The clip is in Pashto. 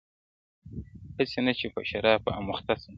هسي نه چي په شرابو اموخته سم,